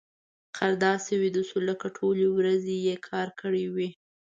خر داسې ویده شو لکه ټولې ورځې يې کار کړی وي.